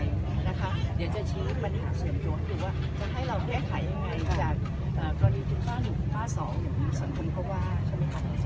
อย่างนี้ดูนะฮะ